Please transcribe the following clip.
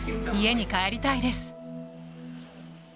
家に帰りたいです。